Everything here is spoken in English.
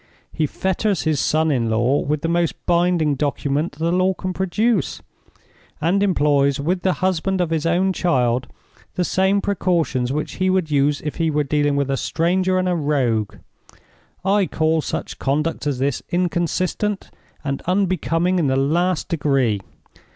He fetters his son in law with the most binding document the law can produce, and employs with the husband of his own child the same precautions which he would use if he were dealing with a stranger and a rogue. I call such conduct as this inconsistent and unbecoming in the last degree.